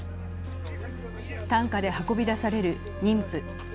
担架で運び出される妊婦。